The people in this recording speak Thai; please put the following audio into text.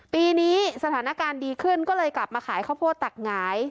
ปีนี้สถานการณ์ดีขึ้นก็เลยกลับมาขายข้าวโพดตักหงาย